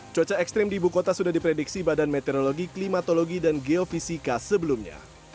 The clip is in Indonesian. cuaca ekstrim di ibu kota sudah diprediksi badan meteorologi klimatologi dan geofisika sebelumnya